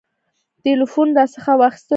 ټلفونونه راڅخه واخیستل شول.